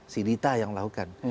si rita yang melakukan